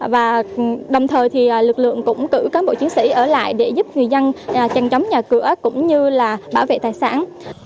và đồng thời lực lượng cũng cử các bộ chiến sĩ ở lại để giúp người dân chăn chóng nhà cửa cũng như bảo vệ tài sản